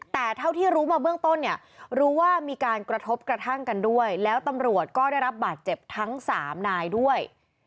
แต่เท่าที่รู้มาเบื้องต้นเนี่ยรู้ว่ามีการกระทบกระทั่งกันด้วยแล้วตำรวจก็ได้รับบาดเจ็บทั้งสามนายด้วย